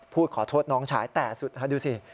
ขอโทษน้องชายแต่สุดดูสิ